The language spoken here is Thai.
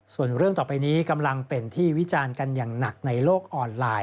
ส่วนเรื่องต่อไปนี้กำลังเป็นที่วิจารณ์กันอย่างหนักในโลกออนไลน์